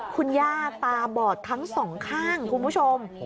คุณย่าตาบอดทั้งสองข้างคุณผู้ชม